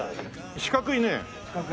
四角いね。